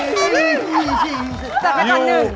จัดไปอันหนึ่ง